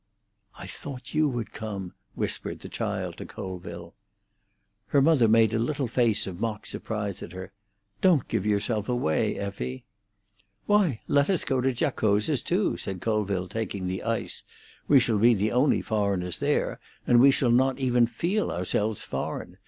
"I thought you would come," whispered the child to Colville. Her mother made a little face of mock surprise at her. "Don't give yourself away, Effie." "Why, let us go to Giacosa's too," said Colville, taking the ice. "We shall be the only foreigners there, and we shall not even feel ourselves foreign.